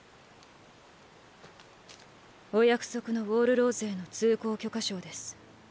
お約束のウォール・ローゼへの通行許可証です。